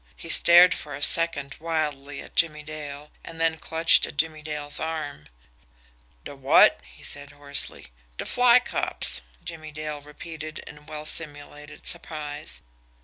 He stared for a second wildly at Jimmie Dale, and then clutched at Jimmie Dale's arm. "De WOT?" he said hoarsely. "De fly cops," Jimmie Dale repeated in well simulated surprise.